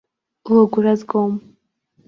Лыгәра згом.